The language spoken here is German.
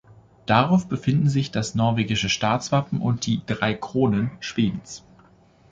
Darauf befinden sich das norwegische Staatswappen und die „Drei Kronen“ Schwedens.